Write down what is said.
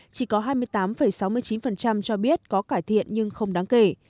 chỉ có hai mươi tám sáu mươi chín cho biết có cải thiện nhưng không đáng kể